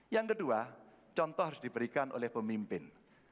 yang kedua contoh harus diberikan oleh pemimpin